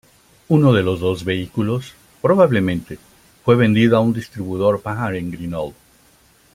Uno de los dos vehículos, probablemente, fue vendido a un distribuidor Panhard en Grenoble.